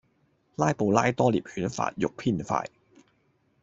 拉布拉多獵犬發育偏快